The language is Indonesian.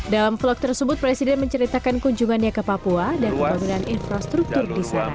dalam vlog tersebut presiden menceritakan kunjungannya ke papua dan pembangunan infrastruktur di sana